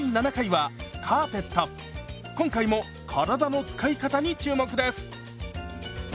今回も体の使い方に注目です！